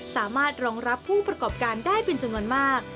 สามารถรองรับผู้ประกอบการได้เป็นจำนวนมาก